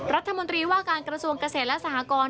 รัฐมนตรีว่าการกระทรวงเกษตรและสหกร